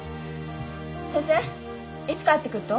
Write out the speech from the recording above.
先生いつ帰ってくると？